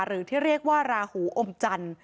หรือที่เรียกว่าราหูอมจันทร์